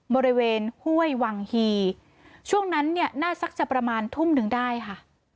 บริเวณห้วยวังฮีช่วงนั้นเนี่ยน่าสักจะประมาณทุ่มหนึ่งได้ค่ะ